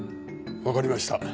わかりました。